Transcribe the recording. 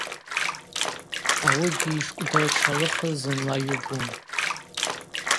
Ауыгьи йшкӏвдыртшалыхыз зынла йубун.